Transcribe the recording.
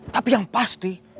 tapi yang pasti